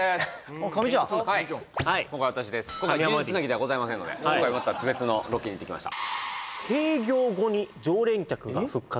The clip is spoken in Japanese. あっカミちゃん今回私です数珠繋ぎではございませんので今回また別のロケに行ってきました